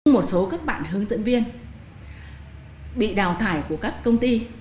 một số các bạn hướng dẫn viên bị đào thải của các công ty